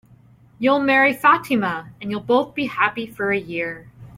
You'll marry Fatima, and you'll both be happy for a year.